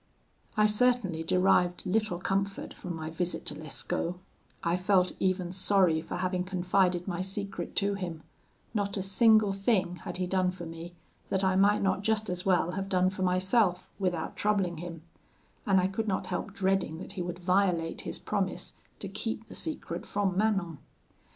"I certainly derived little comfort from my visit to Lescaut; I felt even sorry for having confided my secret to him: not a single thing had he done for me that I might not just as well have done for myself, without troubling him; and I could not help dreading that he would violate his promise to keep the secret from Manon.